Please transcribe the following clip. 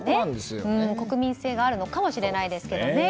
国民性なのかもしれないですけど。